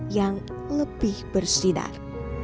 yang lebih bersidang